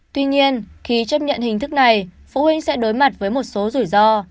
tuy nhiên khi chấp nhận hình thức này phụ huynh sẽ đối mặt với một số rủi ro